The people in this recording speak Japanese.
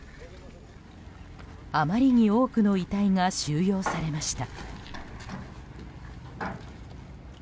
あまりに多くの遺体が収容されました。